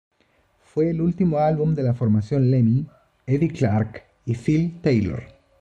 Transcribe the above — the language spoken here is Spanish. Fue el último álbum de la formación Lemmy, Eddie Clarke y Phil Taylor.